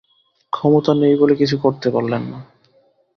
ক্ষমতা নেই বলে কিছু করতে পারলেন না।